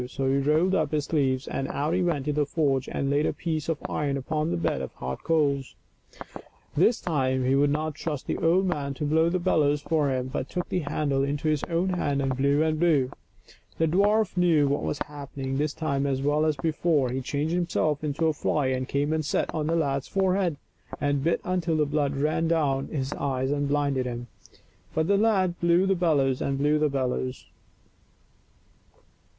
So he rolled up his sleeves and out he went into the forge and laid a piece of iron upon the bed of hot coals. This time he would not trust the old man to blow the bellows for him, but took the handle into his own hand and blew and blew. The dwarf knew what was happening this time as well as before. He changed himself into a fly and came and sat on the lad's forehead, and bit until the blood ran down into his eyes and blinded him ; but the lad blew the bellows and blew the bellows.